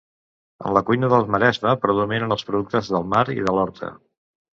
En la cuina del Maresme predominen els productes del mar i de l'horta.